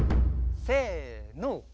せの。